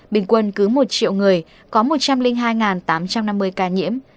bình quân cứ một triệu người có một trăm linh hai tám trăm năm mươi ca nhiễm